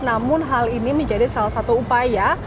namun hal ini menjadi salah satu upaya